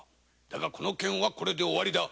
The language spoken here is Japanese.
だがこの件は終わりだ。